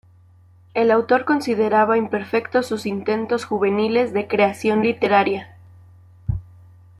El autor consideraba imperfectos sus intentos juveniles de creación literaria.